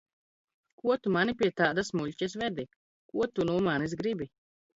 Ko tu mani pie tādas muļķes vedi? Ko tu no manis gribi?